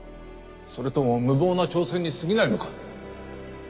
それとも無謀な挑戦にすぎないのか？